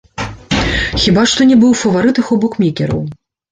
Хіба што не быў у фаварытах у букмекераў.